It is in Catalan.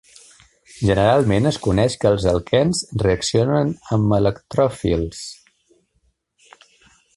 Generalment, es coneix que els alquens reaccionen amb electròfils.